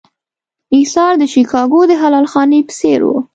اېثار د شیکاګو د حلال خانې په څېر و.